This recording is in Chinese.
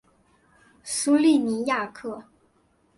苏利尼亚克。